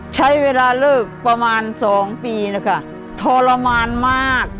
ใช้เวลาเลิกประมาณสองปีนะคะทรมานมาก